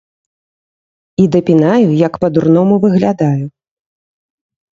І дапінаю, як па-дурному выглядаю.